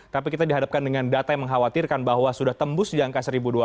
tapi kita dihadapkan dengan data yang mengkhawatirkan bahwa sudah tembus di angka satu dua ratus